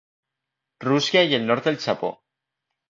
Rússia i el nord del Japó.